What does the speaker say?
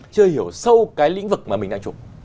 chưa hiểu sâu cái lĩnh vực mà mình đang chụp